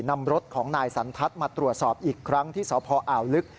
นำรถของนายสันทัศน์มาตรวจสอบอีกครั้งที่สพอ่าวลึก